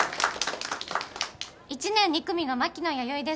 １年２組の牧野弥生です。